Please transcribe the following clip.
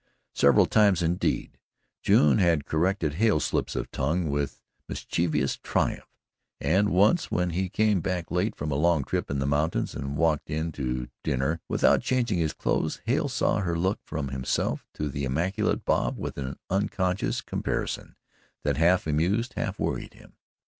Several times indeed June had corrected Hale's slips of tongue with mischievous triumph, and once when he came back late from a long trip in the mountains and walked in to dinner without changing his clothes, Hale saw her look from himself to the immaculate Bob with an unconscious comparison that half amused, half worried him.